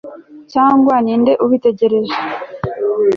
cyangwa ni nde ubitegereje